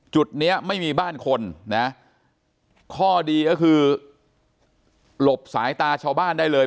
จุดเนี้ยไม่มีบ้านคนนะข้อดีก็คือหลบสายตาชาวบ้านได้เลย